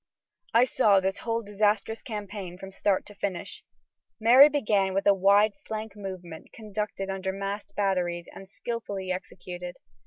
I saw this whole disastrous campaign from start to finish. Mary began with a wide flank movement conducted under masked batteries and skilfully executed.